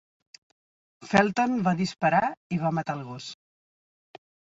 Felton va disparar i va matar el gos.